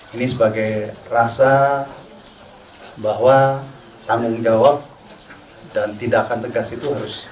ini sebagai rasa bahwa tanggung jawab dan tindakan tegas itu harus